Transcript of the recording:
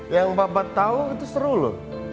yang papa tau itu seru loh